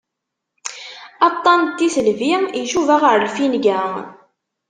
Aṭṭan n tisselbi icuba ɣer lfinga.